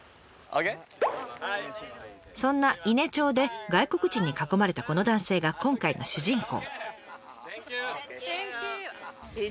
そんな伊根町で外国人に囲まれたこの男性が今回の主人公。